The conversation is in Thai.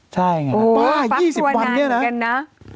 ใช่ไงป้า๒๐วันเนี่ยนะ